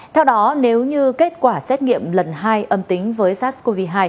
theo đó nếu như kết quả xét nghiệm lần hai âm tính với sars cov hai